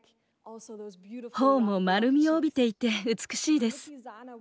頬も丸みを帯びていて美しいです。